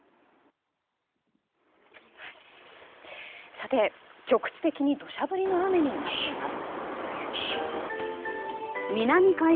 さて、局地的に土砂降りの雨になっています。